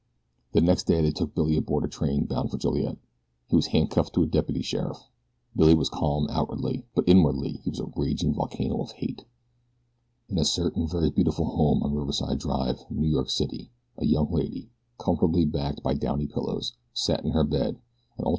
The next day they took Billy aboard a train bound for Joliet. He was handcuffed to a deputy sheriff. Billy was calm outwardly; but inwardly he was a raging volcano of hate. In a certain very beautiful home on Riverside Drive, New York City, a young lady, comfortably backed by downy pillows, sat in her bed and alternated her attention between coffee and rolls, and a morning paper.